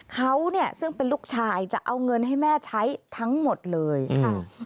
เขาเนี่ยซึ่งเป็นลูกชายจะเอาเงินให้แม่ใช้ทั้งหมดเลยค่ะ